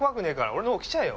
俺の方来ちゃえよ！